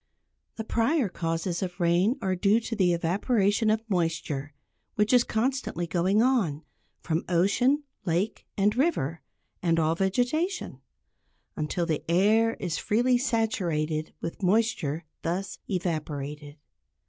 The prior causes of rain are due to the evaporation of moisture which is constantly going on, from ocean, lake and river, and all vegetation; until the air is freely saturated with moisture thus evaporated.